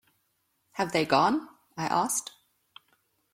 “Have they gone?” I asked.